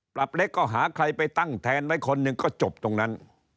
เล็กก็หาใครไปตั้งแทนไว้คนหนึ่งก็จบตรงนั้น